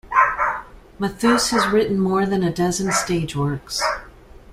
Matthus has written more than a dozen stage works.